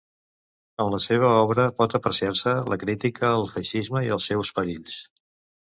En la seva obra pot apreciar-se la crítica al feixisme i els seus perills.